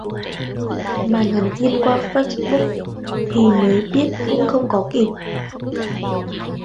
Mà nhắn tin qua Facebook thì mới biết cũng không có kịp